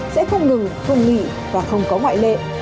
sẽ không ngừng phân nghị và không có ngoại lệ